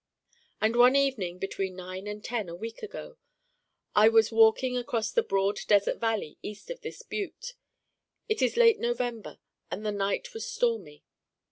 And one evening between nine and ten, a week ago. I was walking across the broad desert valley east of this Butte. It is late November and the night was stormy.